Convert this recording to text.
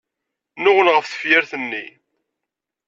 Nnuɣen ɣef tefyirt-nni.